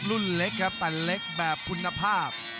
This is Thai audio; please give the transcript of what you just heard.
รุ่นเล็กครับแต่เล็กแบบคุณภาพ